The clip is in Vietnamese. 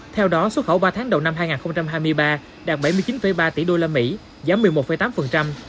theo đó xuất khẩu ba tháng đầu năm hai nghìn hai mươi ba đạt bảy mươi chín ba tỷ usd giảm một mươi một tám